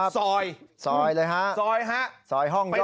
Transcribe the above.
ซอยซอยเลยฮะซอยฮะซอยห้องนี้